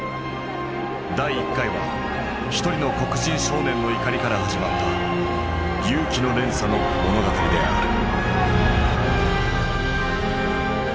第１回は一人の黒人少年の怒りから始まった勇気の連鎖の物語である。